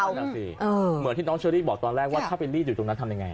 นั่นน่ะสิเหมือนที่น้องเชอรี่บอกตอนแรกว่าถ้าไปรีดอยู่ตรงนั้นทำยังไง